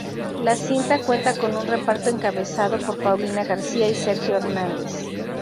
La cinta cuenta con un reparto encabezado por Paulina García y Sergio Hernández.